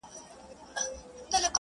په موسكا او په تعظيم ورته ټگان سول.!